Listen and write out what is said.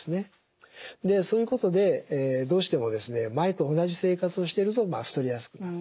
でそういうことでどうしても前と同じ生活をしてると太りやすくなる。